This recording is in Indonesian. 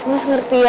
mas mas ngerti ya